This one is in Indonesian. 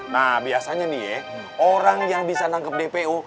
nah biasanya nih ya orang yang bisa nangkep dpo